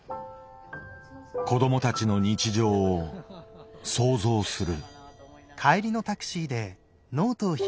子どもたちの日常を想像する。